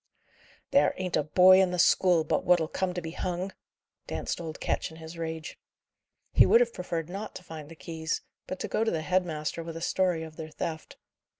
"There ain't a boy in the school but what'll come to be hung!" danced old Ketch in his rage. He would have preferred not to find the keys; but to go to the head master with a story of their theft.